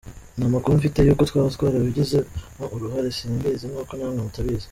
Nta makuru mfite y’uko twaba twarabigizemo uruhare, simbizi nk’uko namwe mutabizi.